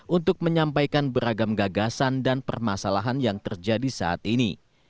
untuk menyampaikan beragam gagasan dan permasalahan yang terjadi saat ini